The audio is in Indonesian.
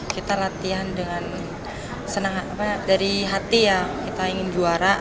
kita latihan dengan senang dari hati ya kita ingin juara